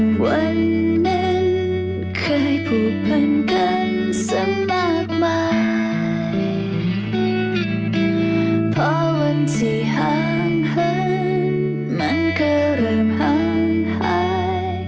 เพราะวันที่ห่างมันก็เริ่มหาย